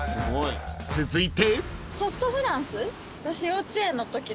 ［続いて］